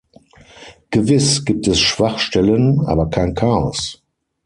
Gewiss gibt es Schwachstellen, aber kein Chaos.